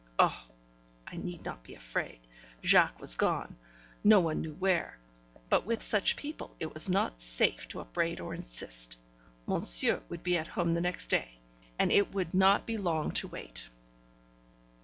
Oh! I need not be afraid; Jacques was gone, no one knew where; but with such people it was not safe to upbraid or insist. Monsieur would be at home the next day, and it would not be long to wait.